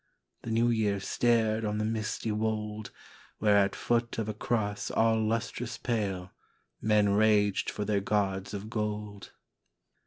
" The New Year stared on the misty wold, Where at foot of a cross all lustrous pale Men raged for their gods of gold.